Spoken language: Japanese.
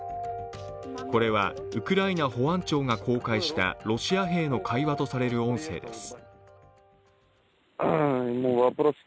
これはウクライナ保安庁が公開したロシア兵の会話とされる音声です。